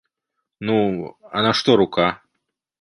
Ну, а на што рука?